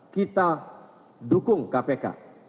kita dukung kpk